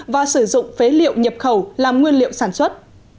và sử dụng phế liệu nhập khẩu làm nguyên liệu sản xuất